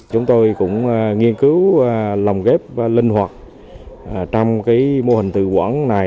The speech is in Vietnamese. chúng tôi cũng nghiên cứu lòng ghép linh hoạt trong cái mô hình từ quảng này